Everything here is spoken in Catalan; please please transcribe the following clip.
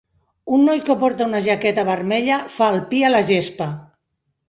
Un noi que porta una jaqueta vermella fa el pi a la gespa.